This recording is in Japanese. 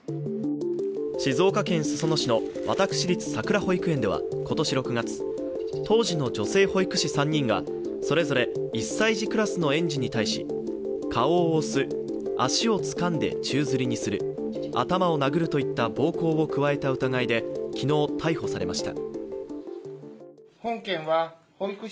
静岡県裾野市の私立さくら保育園では今年６月、当時の女性保育士３人がそれぞれ１歳児クラスの園児に対し顔を押す、足をつかんで宙づりにする、頭を殴るといった暴行を加えた疑いで昨日、逮捕されました。